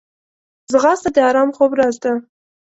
ځغاسته د ارام خوب راز ده